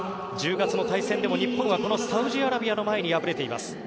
１０月の対戦でも、日本はサウジアラビアの前に敗れています。